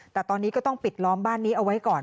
แต่ตอนนี้ก็ต้องปิดล้อมบ้านนี้เอาไว้ก่อน